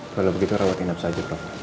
kalau begitu rawat inap saja prof